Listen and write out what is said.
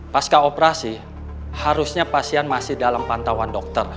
pas ke operasi harusnya pasien masih dalam pantauan dokter